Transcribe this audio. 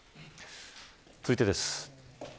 続いてです。